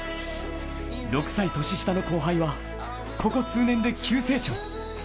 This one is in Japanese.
６歳年下の後輩は、ここ数年で急成長。